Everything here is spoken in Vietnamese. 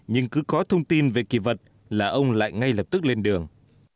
nhưng cứ có thông tin về kỳ vật là ông lại ngay lập tức lên đường